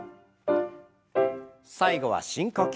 最後は深呼吸。